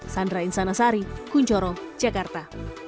sandra insanasari kuncoro jakarta